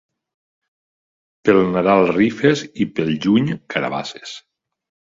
Per Nadal, rifes, i pel juny, carabasses.